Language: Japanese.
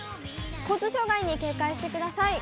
交通障害に警戒してください。